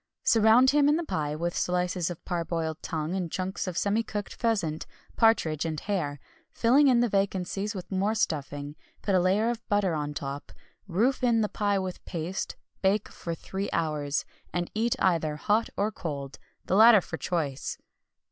Surround him in the pie with slices of parboiled tongue and chunks of semi cooked pheasant, partridge, and hare, filling in the vacancies with more stuffing, put a layer of butter atop, roof in the pie with paste, bake for three hours, and eat either hot or cold the latter for choice.